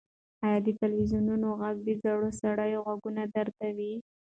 ایا د تلویزیون غږ د زوړ سړي غوږونه دردوي؟